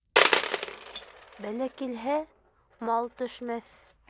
Бәлә килһә, мал төшмәҫ.